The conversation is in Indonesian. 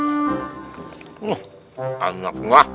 hmm enak banget